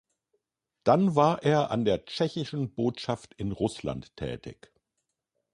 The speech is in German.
Dann war er an der tschechischen Botschaft in Russland tätig.